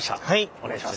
お願いします